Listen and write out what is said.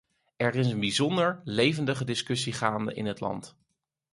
Er is een bijzonder levendige discussie gaande in het land.